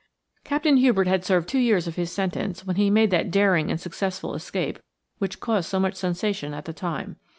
Captain Hubert had served two years of his sentence when he made that daring and successful escape which caused so much sensation at the time.